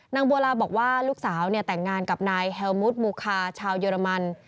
นางบัวลาบอกว่าลูกสาวแต่งงานกับนายแฮลมุทมูคาชาวเยอรมัน